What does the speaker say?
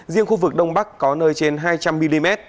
riêng khu vực đông bắc có nơi trên hai trăm linh mm